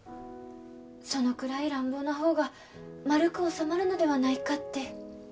そのくらい乱暴なほうが丸く収まるのではないかって